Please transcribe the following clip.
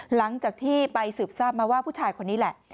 หลังจากที่ไปสืบทราบมาว่าผู้ชายคนนี้แหละ